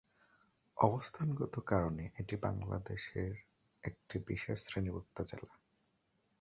অবস্থানগত কারণে এটি বাংলাদেশের একটি বিশেষ শ্রেণীভুক্ত জেলা।